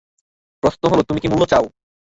প্রশ্ন হলো, তুমি কী মূল্য চাও?